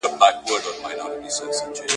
بیرغچي راولوېده.